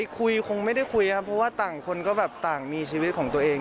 คุยคงไม่ได้คุยครับเพราะว่าต่างคนก็แบบต่างมีชีวิตของตัวเอง